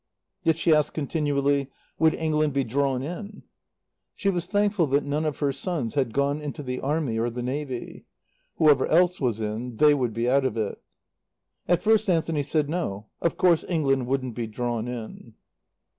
Yet she asked continually, "Would England be drawn in?" She was thankful that none of her sons had gone into the Army or the Navy. Whoever else was in, they would be out of it. At first Anthony said, "No. Of course England wouldn't be drawn in."